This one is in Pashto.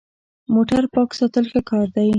موټر پاک ساتل ښه کار دی.